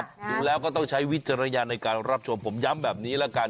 ดูแล้วก็ต้องใช้วิจารณญาณในการรับชมผมย้ำแบบนี้ละกัน